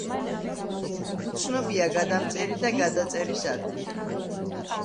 უცნობია გადამწერი და გადაწერის ადგილი.